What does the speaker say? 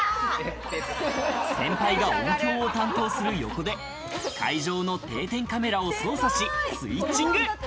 先輩が音響を担当する横で、会場の定点カメラを操作し、スイッチング。